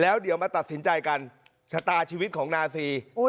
แล้วเดี๋ยวมาตัดสินใจกันชะตาชีวิตของนาซี